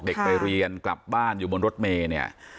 ไปเรียนกลับบ้านอยู่บนรถเมย์เนี่ย